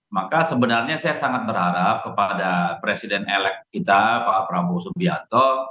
maka sebenarnya saya sangat berharap kepada presiden elek kita pak prabowo subianto